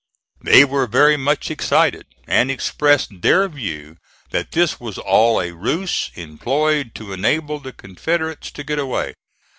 They were very much excited, and expressed their view that this was all a ruse employed to enable the Confederates to get away.